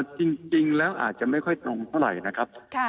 จริงแล้วอาจจะไม่ค่อยตรงเท่าไหร่นะครับ